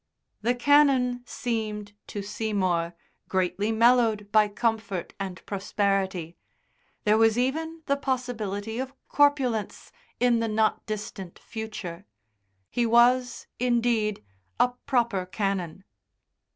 The Canon seemed, to Seymour, greatly mellowed by comfort and prosperity; there was even the possibility of corpulence in the not distant future. He was, indeed, a proper Canon.